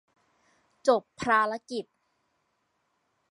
จบภารกิจ